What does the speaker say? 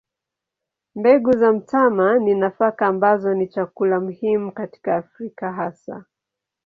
Mbegu za mtama ni nafaka ambazo ni chakula muhimu katika Afrika hasa.